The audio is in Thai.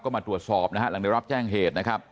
ก็มาตรวจสอบนะฮะหลังได้รับแจ้งเหตุนะครับ